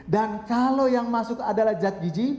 dan kalau yang masuk adalah zat gigi